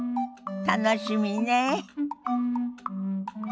楽しみねえ。